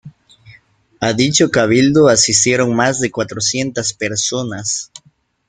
A dicho cabildo asistieron más de cuatrocientas personas.